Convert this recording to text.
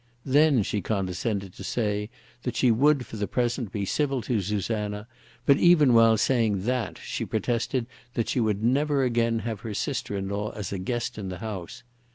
Then she condescended to say that she would for the present be civil to Susanna, but even while saying that she protested that she would never again have her sister in law as a guest in the house.